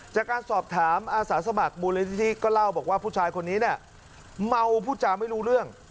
จากการสอบถามอาสาสมัครมูลนิธิก็เล่าบอกว่าผู้ชายคนนี้เนี่ยเมาพูดจาไม่รู้เรื่อง